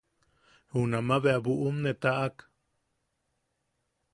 Junama bea buʼum ne taʼak.